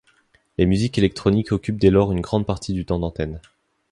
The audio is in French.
Les musiques électroniques occupent dès lors une grande partie du temps d'antenne.